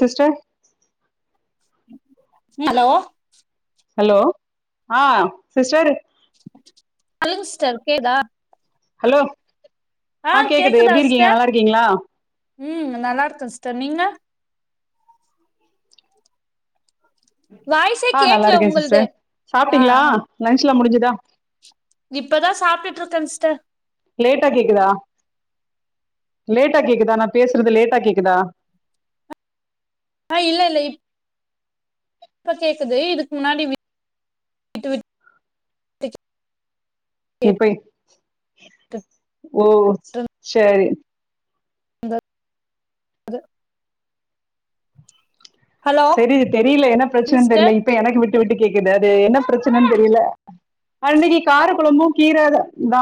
sister hello hello ஆ sister சொல்லுங்க sister கேதா ஹலோ ஆ கேக்குது கேக்குதா எப்டிருக்கீங்க சிஸ்டர் நல்லாருக்கீங்ளா ம் நல்லாருக்கே ஸ்டர் நீங்க வாய்ஸே ஆ கேக்கல நல்லாருக்கே உங்கள்து சிஸ்டர் ஆ சாப்ட்டீங்களா ஆ லன்ச்லா முடிஞ்சு தா இப்பதா சாப்டுட்டு இருக்கன்ஸ்டர் லேட்டா கேக்குதா லேட்டா கேக்குதா நா பேசுறது லேட்டா கேக்குதா ஆ இல்லல்ல இப் ப கேக்குது இதுக் முன்னாடி [inaudible] கேட்டுட்டு இப்பய் ஓ செரி ந்த அது செரி தெரில என்ன ப்ரச்சனன் தெரில சிஸ்டர் இப்ப எனக்கு விட்டு விட்டு கேக்குது அது என்ன ப்ரச்சனன் தெரில ஆ இன்னிக்கு கார கொழம்பூ கீர தா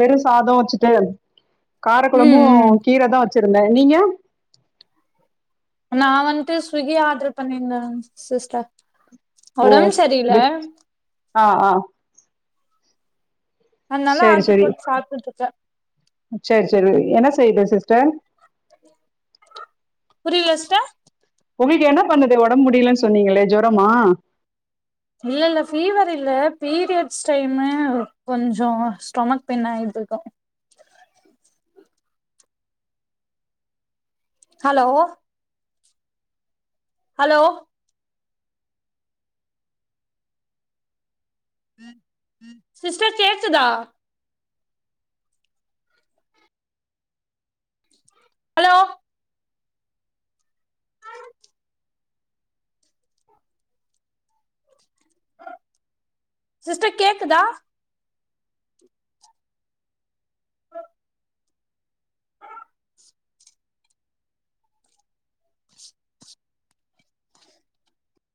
வெறூ சாதோ வச்சுட்டு காரக்கொழம்பூ ம் ம் கீர தா வச் சிருந்தே நீங்க நா வன்ட்டு ஸ்விகி ஆடர் பண்ணிந்தே சிஸ்டர் ஓ ஒடம்ப் சரீல ஆ ஆ அதனால சரி ஆர்டரு சரி போட்டு சாப்ட்டுட்டு இருக்க சரி சரி என்ன செய்யுது சிஸ்டர் புரில சிஸ்ட உங்களுக்கு என்ன பண்ணுது ஒடம்பு முடியலன்னு சொன்னீங்களே ஜொரமா இல்ல இல்ல ஃபீவர் இல்ல ஃபீரியட்ஸ் டைமு கொஞ்சொ ஸ்டொமக் ஃபெயினாயிடு ப்போ ஹலோ ஹலோ சிஸ்டர் கேக்குதா ஹலோ சிஸ்டர் கேக்குதா